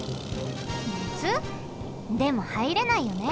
でもはいれないよね。